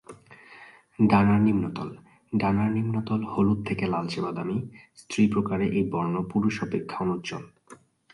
ডানার নিম্নতল: ডানার নিম্নতল হলুদ থেকে লালচে-বাদামী; স্ত্রী প্রকারে এই বর্ন পুরুষ অপেক্ষা অনুজ্জ্বল।